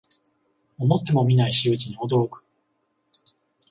思ってもみない仕打ちに驚く